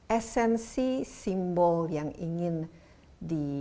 esensi simbol yang ingin di